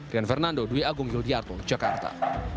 rian fernando dwi agung yudi artung jakarta